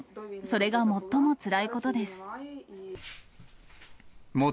それが最もつらいことです。